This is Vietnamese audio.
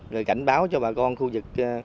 rồi cảnh báo cho bà con khu vực